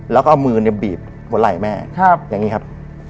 แล้วก็เอามือเนี่ยบีบหัวไหล่แม่อย่างนี้ครับ